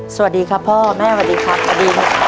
สวัสดีครับพ่อแม่สวัสดีครับ